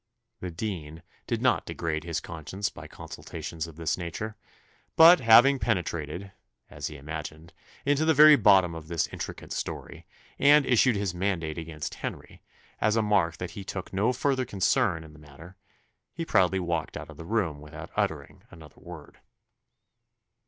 The dean did not degrade his consequence by consultations of this nature: but, having penetrated (as he imagined) into the very bottom of this intricate story, and issued his mandate against Henry, as a mark that he took no farther concern in the matter, he proudly walked out of the room without uttering another word.